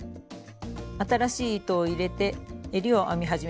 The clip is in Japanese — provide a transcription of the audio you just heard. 新しい糸を入れてえりを編み始めます。